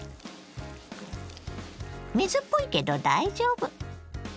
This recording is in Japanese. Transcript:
水っぽいけど大丈夫。